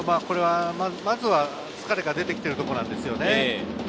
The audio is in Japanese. まずは疲れが出てきていることなんですよね。